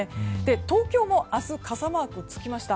東京も明日傘マークが付きました。